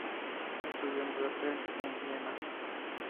Estudió en Budapest y en Viena.